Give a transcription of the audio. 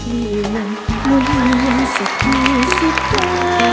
พอสองจะเปลี่ยนหลุยยังสุขมาสุขมา